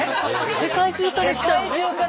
世界中から来たのね。